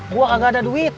gue kagak ada duit